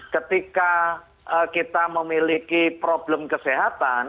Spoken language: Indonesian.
ketika kita memiliki problem kesehatan